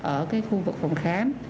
ở cái khu vực phòng khám